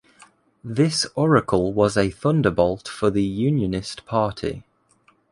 This oracle was a thunderbolt for the unionist party.